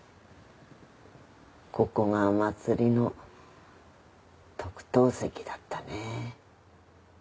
ここがまつりの特等席だったね。